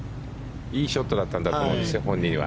いいショットだったと思うんですよ、本人は。